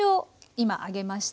今上げました。